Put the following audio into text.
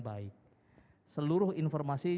baik seluruh informasi